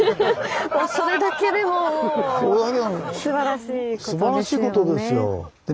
それだけでももうすばらしいことですよね。